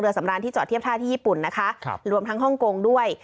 ที่เจาะเทียบท่าที่ญี่ปุ่นรวมทั้งฮ่องกงด้วย